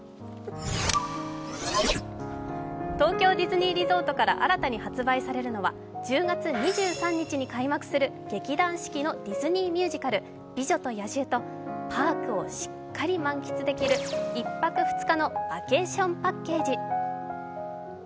東京ディズニーリゾートから新たに発売されるのは１０月２３日に開幕する劇団四季のディズニーミュージカル「美女と野獣」とパークをしっかり満喫できる１泊２日のバケーションパッケージ。